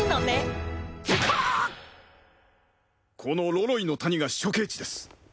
このロロイの谷が処刑地です。